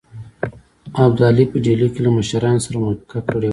ابدالي په ډهلي کې له مشرانو سره موافقه کړې وه.